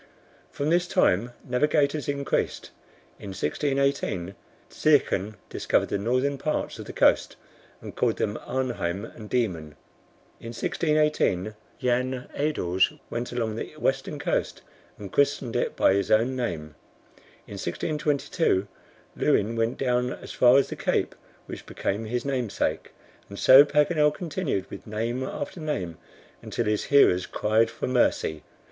From this time navigators increased. In 1618, Zeachen discovered the northern parts of the coast, and called them Arnheim and Diemen. In 1618, Jan Edels went along the western coast, and christened it by his own name. In 1622, Leuwin went down as far as the cape which became his namesake." And so Paganel continued with name after name until his hearers cried for mercy.